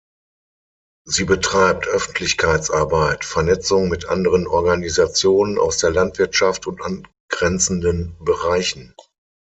Sie betreibt Öffentlichkeitsarbeit, Vernetzung mit anderen Organisationen aus der Landwirtschaft und angrenzenden Bereichen.